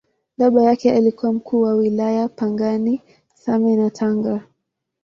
Baba yake alikuwa Mkuu wa Wilaya Pangani, Same na Tanga.